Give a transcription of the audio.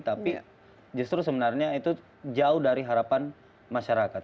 tapi justru sebenarnya itu jauh dari harapan masyarakat